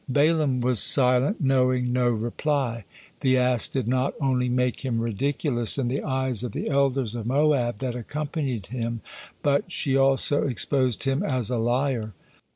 Balaam was silent, knowing no reply. The ass did not only make him ridiculous in the eyes of the elders of Moab that accompanied him, but she also exposed him as a liar.